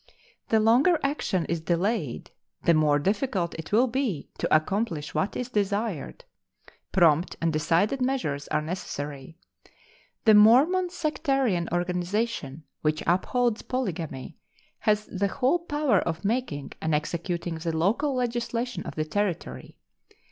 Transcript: The longer action is delayed the more difficult it will be to accomplish what is desired. Prompt and decided measures are necessary. The Mormon sectarian organization which upholds polygamy has the whole power of making and executing the local legislation of the Territory.